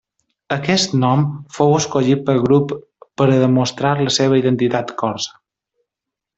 Aquest nom fou escollit pel grup per a demostrat la seva identitat corsa.